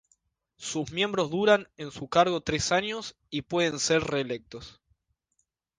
Sus miembros duran en su cargo tres años y pueden ser reelectos.